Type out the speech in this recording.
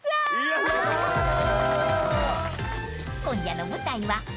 ［今夜の舞台は］